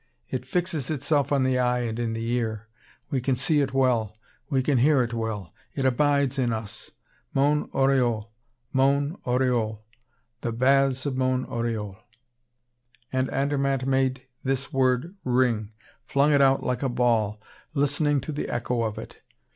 It fixes itself on the eye and in the ear; we can see it well; we can hear it well; it abides in us Mont Oriol! Mont Oriol! The baths of Mont Oriol!" And Andermatt made this word ring, flung it out like a ball, listening to the echo of it.